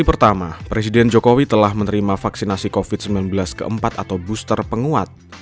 pertama presiden jokowi telah menerima vaksinasi covid sembilan belas keempat atau booster penguat